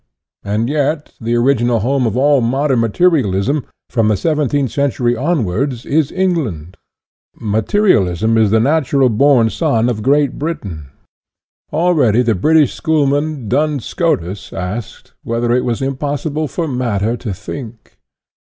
And yet the original home of all modern mate rialism, from the seventeenth century onwards, is England. " Materialism is the natural born son of Great Britain. Already the British schoolman, Duns Scotus, asked, ' whether it was impossible for matter to think